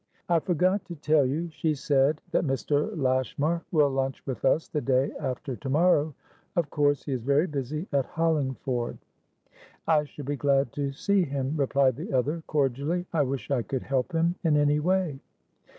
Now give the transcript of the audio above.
"I forgot to tell you," she said, "that Mr. Lashmar will lunch with us the day after to morrow. Of course he is very busy at Hollingford." "I shall be glad to see him," replied the other, cordially. "I wish I could help him in any way."